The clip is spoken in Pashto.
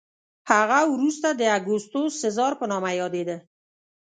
هغه وروسته د اګوستوس سزار په نامه یادېده